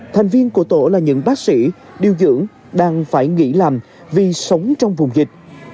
thành viên của tổ là những bác sĩ điều dưỡng đang phải nghỉ làm vì sống trong vùng dịch